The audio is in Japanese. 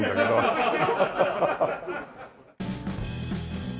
ハハハハハ！